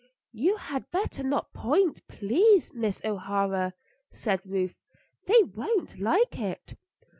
"You had better not point, please, Miss O'Hara," said Ruth. "They won't like it."